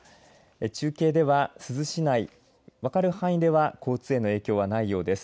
中継では珠洲市内分かる範囲では交通への影響はないようです。